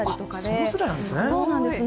その世代なんですね？